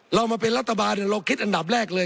เรามาเป็นรัฐบาลเราคิดอันดับแรกเลย